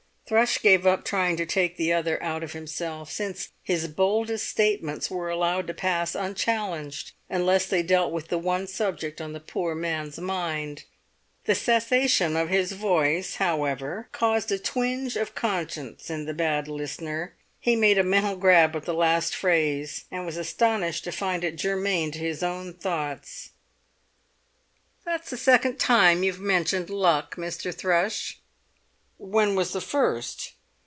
Thrush gave up trying to take the other out of himself, since his boldest statements were allowed to pass unchallenged, unless they dealt with the one subject on the poor man's mind. The cessation of his voice, however, caused a twinge of conscience in the bad listener; he made a mental grab at the last phrase, and was astonished to find it germane to his own thoughts. "That's the second time you've mentioned luck, Mr. Thrush!" "When was the first?"